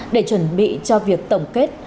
để chuẩn bị cho việc tổng kết